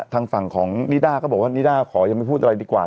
ทางฝั่งของนิด้าก็บอกว่านิด้าขอยังไม่พูดอะไรดีกว่า